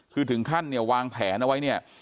คือถึงขั้นเนี่ยวางแผนเอาไว้เนี่ย